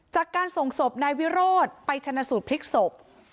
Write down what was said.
จากการส่งศพนายวิโรธไปชนะสูตรพลิกศพ